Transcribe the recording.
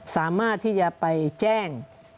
สามารถที่จะไปแจ้ง